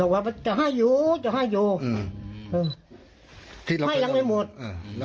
พ้ายังไม่หมด